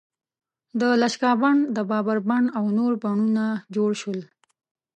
د لکشا بڼ، د بابر بڼ او نور بڼونه جوړ شول.